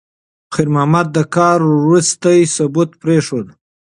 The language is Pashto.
خیر محمد د کار وروستی ثبوت پرېښود.